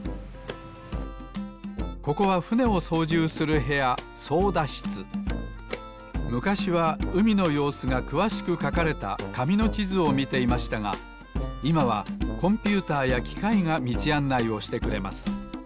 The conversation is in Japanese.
ここはふねをそうじゅうするへやむかしはうみのようすがくわしくかかれたかみのちずをみていましたがいまはコンピューターやきかいがみちあんないをしてくれます。